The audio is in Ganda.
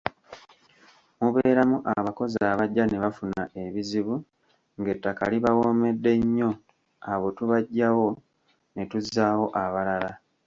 Mubeeramu abakozi abajja ne bafuna ebizibu ng’ettaka libawoomedde nnyo abo tubaggyawo ne tuzzaawo abalala.